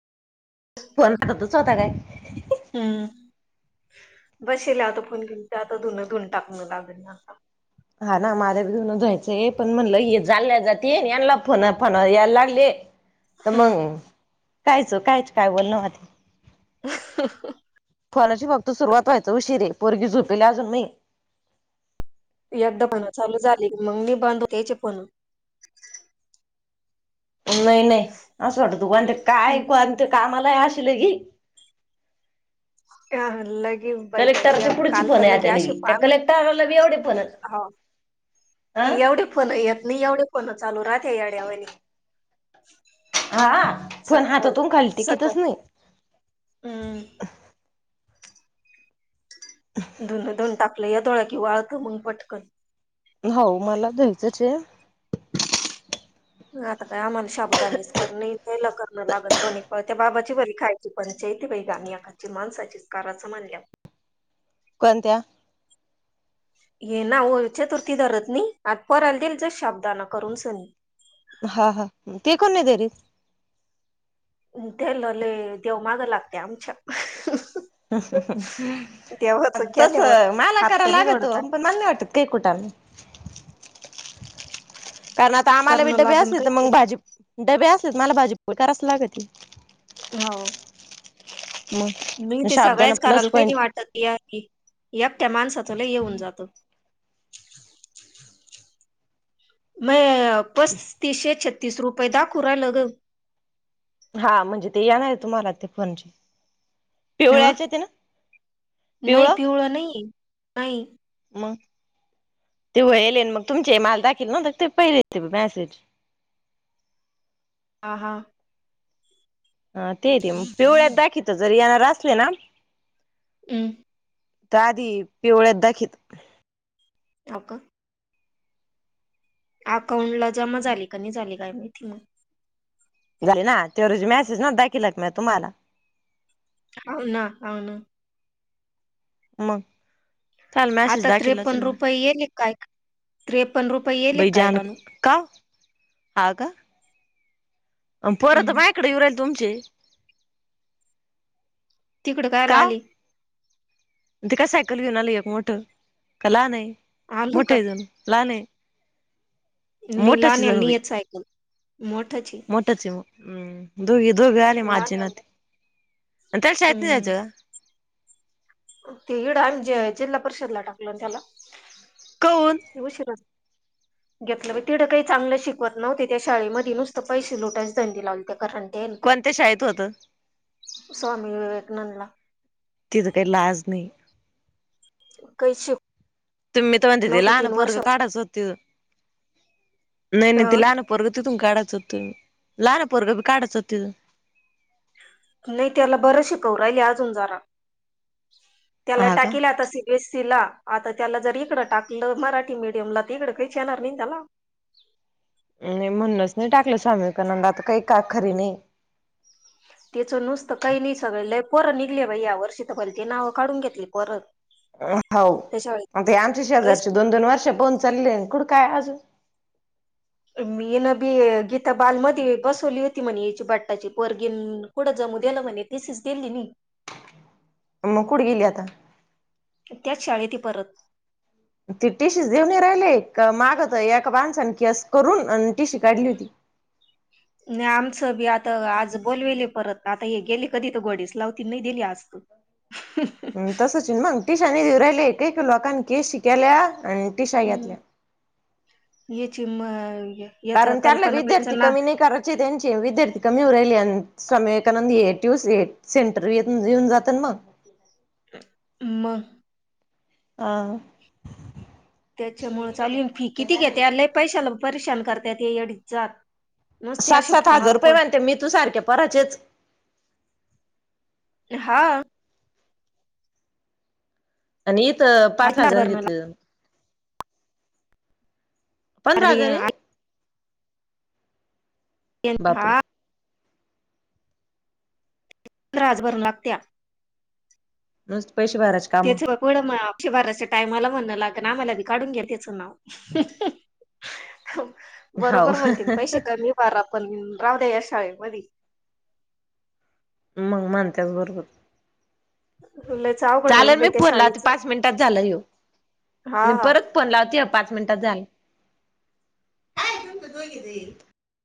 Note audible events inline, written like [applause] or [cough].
Phone करतच होता काय. बशेल हे आता फोन घेन ते आता धुन धुन टाकण लागल न आता. हा ना मला बी धुन धुवायचंय पण म्हणलं ये जाल्या जातील यांला फोन फोन यायला लागले. त हम्म मंग कायच कायच काय बोलणं होते. [unintelligible] कॉलची फक्त सुरुवात व्हायच उशिरे पोरगी झोपेले अजून नई. एकदा पण चालू झाली की मंग नई बंद याचे फोन. नाही नाही असं वाटत दु ते काय कोणत कामाला असले की... हा लई... कलेक्टरच्या पुढची पोर आहे ही पाय कलेक्टरला बी एवढे फोन येत नाही हो एवढे फोन येत नाही, एवढे फोन चालू राहते येड्यावाणी हा फोन हातातून खाली सकाळ टिकवितच नाही. हम्म धन धन टाकलं की येतं मग कि वाळतं म्हणून पटकन हो मला दयचंच आहे आता काय आम्हाला शाबुदानीच करणे लागल करणं लागल दोन प त्या बाबाची बरी खायची पण जैत वैदनी एकाची माणसाचीच काराचं म्हणल्या वर कोणत्या.. ये ना ओ चतुर्थी धरत नाही आज पोराला देईल जस शाबदाना करून सन हा हा ते का नाही धरीत- त्यांना लई देव मागं लागते आमच्या- ह ह ह देवाच अ... तस केल्यावर मला हात तर करायला नाही लागत जोडता हो पण मला नाही वाटत काही कुटाणे. कारण आता आम्हाला बी करणं डबे लागण असले तर मग काहीतरी भाजी डबे असले मला भाजी करायलाच लागती. हो... म... मी ते सगळ्याच करायला काही नाही वाटत या एकट्या माणसाच लई हे होऊन जातो म पस्तीसशे, छत्तीसशे- तीस रुपये दाखवू राहिला ग. हा म्हणजे ते येणार आहे तुम्हाला ते फोन ह पिवळ्याचे ते ना नाही पिवळं पिवळा नाहीय नाही मग तेव्हा येले मग तुमचे माल दाखीवले तर ते पहिले ते मॅसेज [unintelligible] हा हा ह तेे ते मग पिवळ्यात दाखित जरी येणार असले ना हम्म... तर आधी पिवळ्यात दाखीवत. हव का अकाउंट ला जमा झाली का नाही झाली काय माहिती मग? झाली ना त्यावरजी मेसेज ना दाखीवला म्या तुम्हाला हवना, हवना मग काल मॅसेज आता दाखीवला असल त्रेपन्न ना रुपये येले काय त्रेपन्न रुपये येले काय बैजान कानू का? हाव का अ परत हम्म मायकडे येऊ राहिले, तुमचे तिकड कायला का ओ? आले? ते काय सायकल घेऊन आल एक मोठं, का लहान आहे? आलो मोठं का आहे, लहान आहे. नी मोठाचे लहान्याला जणू नी बाई, येत सायकल मोठाची मोठाचे, हम्म दोघे, दोघे आले माजी ना लहान्याला ते त्याला शाळात नाही हम्म जायचं? ते इड आमच्या जिल्हा परिषदला टाकल ना त्याला का काऊन उशिरा [unintelligible] घेतलं तिडं बि काही चांगलं शिकवत नव्हते, त्या शाळेमध्ये नुसत पैशे लुटायची धंदे लावली. त्या कारण येन. कोणत्या शाळेत होतं स्वामी विवेकानंदला तिथं काही लाज नाही. काही शिकवत तुम्ही तर म्हणते ते नव्हती लहान तीन पोरग वर्षाची काढाच होत तिढून नाही, नाही. त लहान पोरग तिथून काढा. लहानपोरगी बी काढायच होत. तिथ नाही. त्याला बरं शिकव राहिल, अजून जरा त्याला हा का टाकिल आता, सी बी एस सी ला. आता त्याला जर इकड टाकलं मराठी मडियमला तिकडं काहीच येणार नाहीना त्याला. आणि म्हणूनच नाही टाकलं स्वामीवेकानंदला, आता काही का खरी नाही. त्याच नुसतं काही नाही सगळे लय पोरं निघली बा या वर्षी तर पहि ते नावं काढून घेतली. पोरं होत. त्याच्यावेळी होव ते आमच्या काहीच शेजारच दोन दोन वर्ष पळून चालेले काय आज मी न बी गीता बाल मध्ये बसवली होती म्हणे याची बट्टाची पोरगीन कुढं जमू दे्या म्हणे ते सिच दिली मी मग कुठं गेली आता? त्याच शाळती परत.. ते टीशी देेऊन नाही राहिले मागतर एका माणसान केस करून टीशी काढली होती. रिकामा ऑडिओ नाही आमचं बी आता आज बोलवेले परत आता हे गेले कधी तर गोडीस लावती नाही दिली आज ह तसच मंग टिशानी देऊ राहिले एकक लोकानी केशी केल्या. आणि टिशा घेतल्या याची म याचा कारण त्याला कल्पना विद्यार्थी बाईचं ना कमी नाही करायचे त्यांचे विद्यार्थी कमीवर राहिले आन स्वामी विवेकानंद एट [unintelligible] म. हा. त्याच्यामुळे चालू येन फी किती घेते लई पैशाला परेशान करताात ते येडी जात नुसते सात असे सात फोनवर हजार रुपये फोन मानते मी तू सारखे पोराचेच. हा. आणि इेत पाच पंधरा हजार भरणं घेतले जा पंधरा हजार आहे. लागत, यांन हा बापरे [unintelligible] बरं लागत्या. न [unintelligible] [unintelligible] आम्हाला बी काढून घ्या त्याच नाव. हाव बरोबर म्हणते पैसे कमी भरा पण राह त्याच्या शाळेमधी. मग माण त्याच भरोबर. लयच अवघड होईल चालेल मी बाई त्या फोन लावते शाळेचं पाच मिनिटात झालं यो हा मी हा. परत फोन लावते पाच मिनटात झालं.